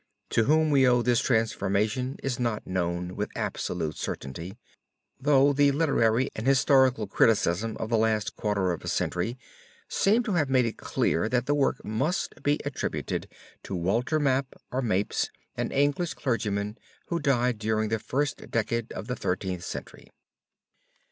To whom we owe this transformation is not known with absolute certainty, though the literary and historical criticism of the last quarter of a century seems to have made it clear that the work must be attributed to Walter Map or Mapes, an English clergyman who died during the first decade of the Thirteenth Century.